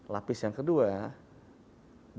lapis yang kedua dia tidak masing masing